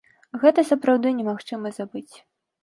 Гэта сапраўды немагчыма забыць.